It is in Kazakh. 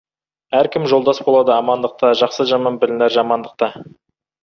Әркім жолдас болады амандықта, жақсы-жаман білінер жамандықта.